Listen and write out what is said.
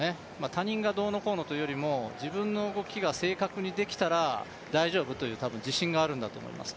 他人がどうのこうのというよりも自分の動きが正確にできたら、大丈夫という自信があると思います。